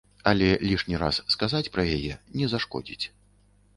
Але лішні раз сказаць пра яе не зашкодзіць.